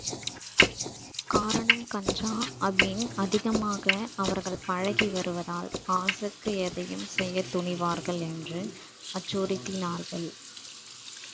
காரணம் கஞ்சா அபின் அதிகமாக அவர்கள் பழகி வருவதால் காசுக்கு எதையும் செய்யத் துணிவார்கள் என்று அச்சுறுத்தினார்கள்.